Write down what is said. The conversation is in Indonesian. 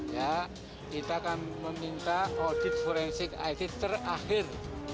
ya kita akan meminta audit forensik it terakhir